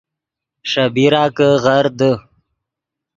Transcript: ݰے بیرا کہ غر دے